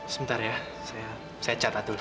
sebentar ya saya catat dulu